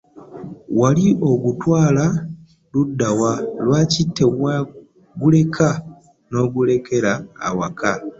Wali ogutwala luddawa lwaki teagutereka nogundetera ewaka .